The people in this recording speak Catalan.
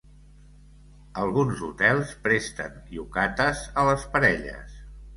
Alguns hotels presten yukatas a les parelles.